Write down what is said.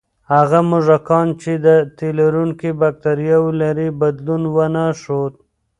هغه موږکان چې د تیلرونکي بکتریاوې لري، بدلون ونه ښود.